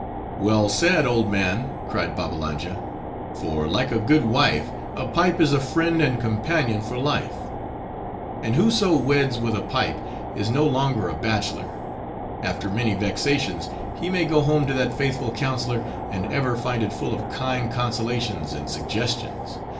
"Well said, old man," cried Babbalanja; "for, like a good wife, a pipe is a friend and companion for life. And whoso weds with a pipe, is no longer a bachelor. After many vexations, he may go home to that faithful counselor, and ever find it full of kind consolations and suggestions.